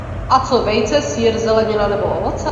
A co vejce, sýr, zelenina, nebo ovoce?